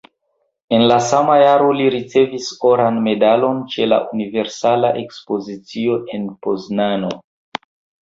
En la sama jaro li ricevis Oran Medalon ĉe la Universala Ekspozicio en Poznano.